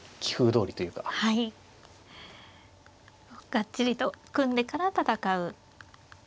がっちりと組んでから戦う棋風ですね。